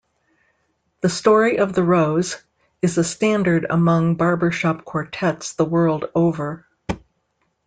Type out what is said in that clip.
"The Story of the Rose" is a standard among barbershop quartets the world over.